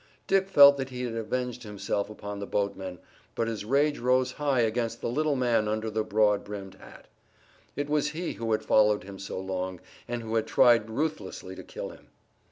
Dick felt that he had avenged himself upon the boatmen, but his rage rose high against the little man under the broad brimmed hat. It was he who had followed him so long, and who had tried ruthlessly to kill him.